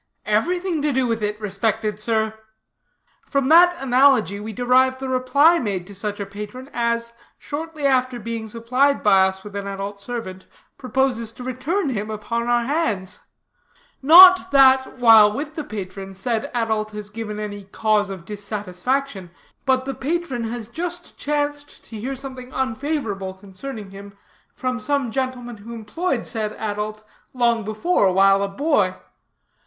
"Everything to do with it, respected sir. From that analogy we derive the reply made to such a patron as, shortly after being supplied by us with an adult servant, proposes to return him upon our hands; not that, while with the patron, said adult has given any cause of dissatisfaction, but the patron has just chanced to hear something unfavorable concerning him from some gentleman who employed said adult, long before, while a boy.